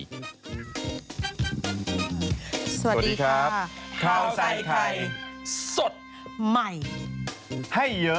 สวัสดีครับข้าวใส่ไข่สดใหม่ให้เยอะ